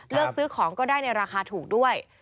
เลือกซื้อของก็ได้ในราคาถูกด้วย